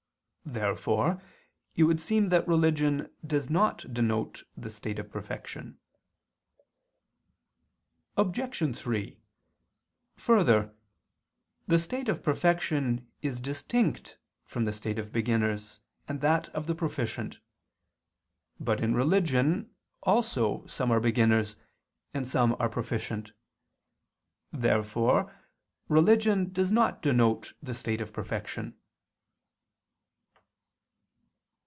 Therefore it would seem that religion does not denote the state of perfection. Obj. 3: Further, the state of perfection is distinct from the state of beginners and that of the proficient. But in religion also some are beginners, and some are proficient. Therefore religion does not denote the state of perfection.